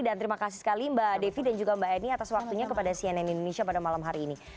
dan terima kasih sekali mbak devi dan juga mbak eni atas waktunya kepada cnn indonesia pada malam hari ini